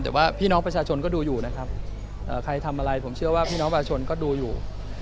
แต่ว่าพี่น้องประชาชนก็ดูอยู่นะครับใครทำอะไรผมเชื่อว่าพี่น้องประชาชนก็ดูอยู่